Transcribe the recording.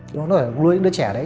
nó có thể nuôi những đứa trẻ đấy